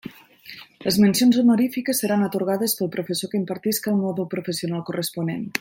Les mencions honorífiques seran atorgades pel professor que impartisca el mòdul professional corresponent.